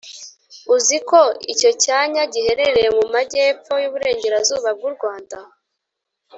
uzi ko icyo cyanya giherereye mu magepfo y’uburengerazuba bw’u Rwanda